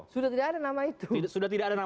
sudah tidak ada nama itu